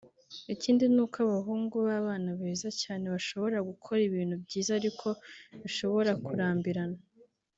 Ikindi ni uko abahungu b’abana beza cyane bashobora gukora ibintu byiza ariko bishobora kurambirana